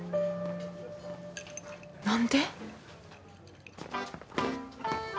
何で？